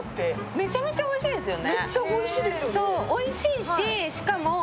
めちゃめちゃおいしいですよね。